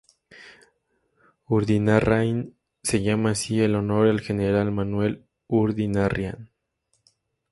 Urdinarrain se llama así en honor al general Manuel Urdinarrain.